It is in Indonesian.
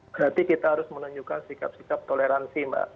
berarti kita harus menunjukkan sikap sikap toleransi mbak